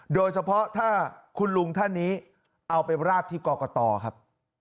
โดยเฉพาะถ้าคุณลุงท่านนี้เอาไปราดที่กรกตครับ